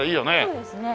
そうですね。